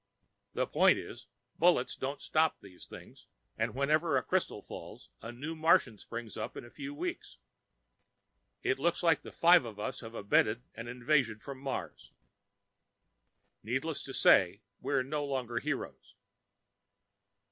The point is, bullets won't stop these things, and wherever a crystal falls, a new Martian springs up in a few weeks. It looks like the five of us have abetted an invasion from Mars. Needless to say, we're no longer heroes.